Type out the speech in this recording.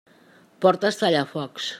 Portes tallafocs.